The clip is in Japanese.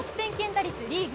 打率リーグ